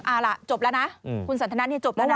เอาล่ะจบแล้วนะคุณสันทนาเนี่ยจบแล้วนะ